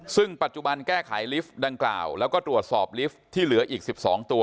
ซึ่งปัจจุบันแก้ไขลิฟต์ดังกล่าวแล้วก็ตรวจสอบลิฟท์ที่เหลืออีก๑๒ตัว